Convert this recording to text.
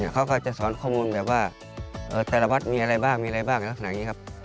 เขาก็จะสอนข้อมูลแบบว่าแต่ละวัดมีอะไรบ้างมีอะไรบ้างลักษณะอย่างนี้ครับ